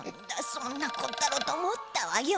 そんなこったろうとおもったわよ。